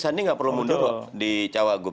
sandi nggak perlu mundur di cawagup